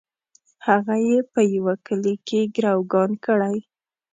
هغه یې په یوه کلي کې ګوروان کړی.